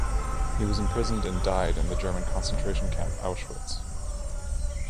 He was imprisoned and died in the German concentration camp Auschwitz.